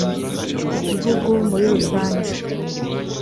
igihugu muri rusange